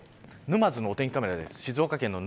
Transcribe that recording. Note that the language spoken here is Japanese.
沼津のお天気カメラです。